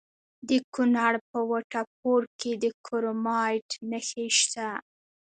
د کونړ په وټه پور کې د کرومایټ نښې شته.